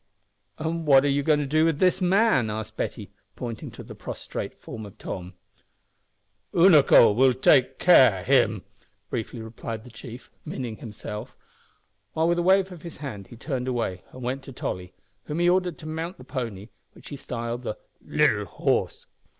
"And what are you going to do with this man?" asked Betty, pointing to the prostrate form of Tom. "Unaco will him take care," briefly replied the chief (meaning himself), while with a wave of his hand he turned away, and went to Tolly, whom he ordered to mount the pony, which he styled the "littil horse."